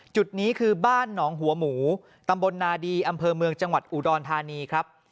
จุดนี้คือบ้านหนองหัวหมูตำบลนาดีอำเภอเมืองจังหวัดอุดรธานีครับ